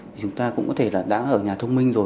thì chúng ta cũng có thể là đã ở nhà thông minh rồi